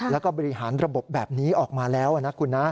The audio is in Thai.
แล้วก็บริหารระบบแบบนี้ออกมาแล้วนะคุณนะ